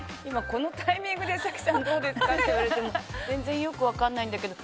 このタイミングで早紀さんどうですかって言われても全然よく分かんないんだけど。